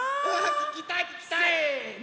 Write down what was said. ききたいききたい！せの！